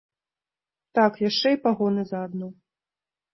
Так, яшчэ і пагоны заадно.